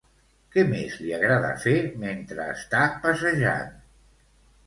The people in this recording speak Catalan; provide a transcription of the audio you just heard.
Què més li agrada fer mentre està passejant?